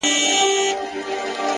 دى خو بېله تانه كيسې نه كوي.